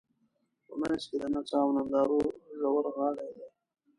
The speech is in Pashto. په منځ کې د نڅا او نندارو ژورغالی دی.